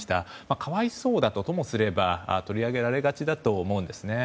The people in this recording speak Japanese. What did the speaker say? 可哀想だとも取り上げられがちだと思うんですね。